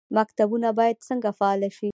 مکتبونه باید څنګه فعال شي؟